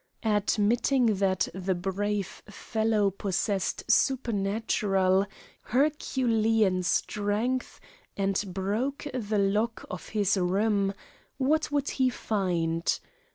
Admitting that the brave fellow possessed supernatural, Herculean strength and broke the lock of his room what would he find?